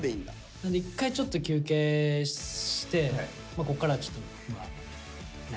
なんで一回ちょっと休憩してこっからはちょっとまあね